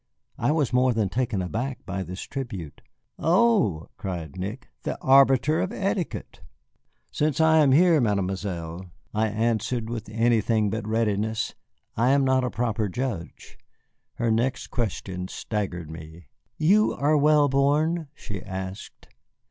I was more than taken aback by this tribute. "Oh," cried Nick, "the arbiter of etiquette!" "Since I am here, Mademoiselle," I answered, with anything but readiness, "I am not a proper judge." Her next question staggered me. "You are well born?" she asked.